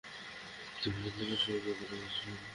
তুমি আট দিন হল সংযত রয়েছ।